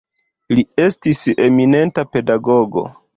Li estis eminenta pedagogo.